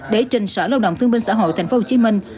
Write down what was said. để trình sở lao động thương minh xã hội thành phố hồ chí minh